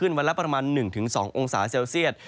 วันละประมาณ๑๒องศาเซลเซียต